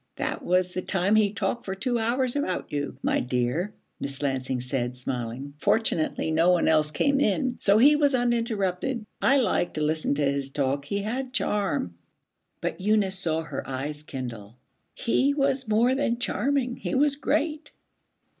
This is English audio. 'That was the time he talked for two hours about you, my dear,' Miss Lansing said, smiling. 'Fortunately no one else came in, so he was uninterrupted. I liked to listen to his talk; he had charm.' But Eunice saw her eyes kindle. 'He was more than charming. He was great.'